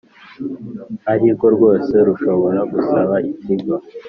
Arirwo rwose rushobora gusaba ikigo